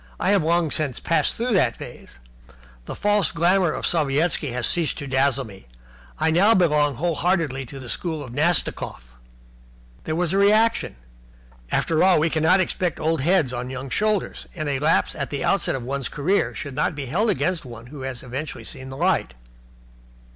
I have long since passed through that phase. The false glamour of Sovietski has ceased to dazzle me. I now belong whole heartedly to the school of Nastikoff." There was a reaction. People nodded at one another sympathetically. After all, we cannot expect old heads on young shoulders, and a lapse at the outset of one's career should not be held against one who has eventually seen the light.